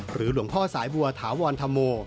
หรือหลวงพ่อสายบัวถาวรธมโม